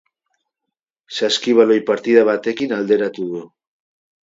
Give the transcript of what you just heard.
Saskibaloi partida batekin alderatu du.